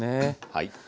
はい。